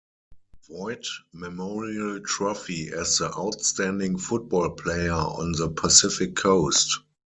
Voit Memorial Trophy as the outstanding football player on the Pacific Coast.